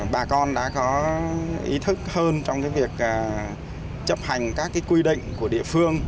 bà con đã có ý thức hơn trong việc chấp hành các quy định của địa phương